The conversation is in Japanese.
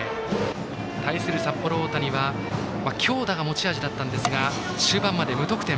２対０。対する札幌大谷は強打が持ち味だったんですが終盤まで無得点。